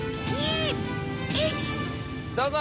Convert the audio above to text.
どうぞ！